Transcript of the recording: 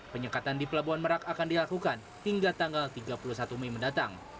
penyekatan di pelabuhan merak akan dilakukan hingga tanggal tiga puluh satu mei mendatang